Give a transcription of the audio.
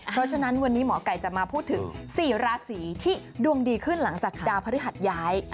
เพราะฉะนั้นวันนี้หมอกัยจะมาพูดถึง๔ราศีที่ดวงดีขึ้นหลังจากดาวพระธรรมดีพึ่งกันยาย